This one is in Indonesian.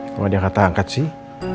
kalau dia kata angkat sih